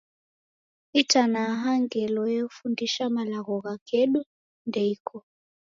Itanaha ngelo yefundisha malagho gha kedu ndeiko.